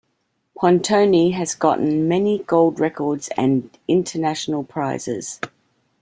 Pontoni has gotten many gold records and international prizes.